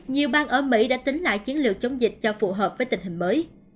nhiều bang ở mỹ đã tính lại chiến lược chống dịch cho phù hợp với tình hình mới